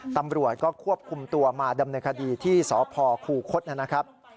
ตำรวจก็ควบคุมตัวมาดำเนินคดีที่สพคูคศนะครับ